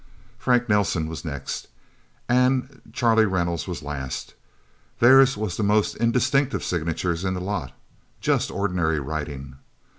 Frank Nelsen was next, and Charlie Reynolds was last. Theirs were the most indistinctive signatures in the lot. Just ordinary writing.